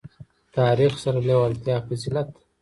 تاریخ سره لېوالتیا فضیلت ده.